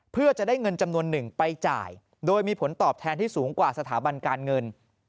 เพื่อจะได้เงินจำนวนหนึ่งไปจ่ายโดยมีผลตอบแทนที่สูงกว่าสถาบันการเงิน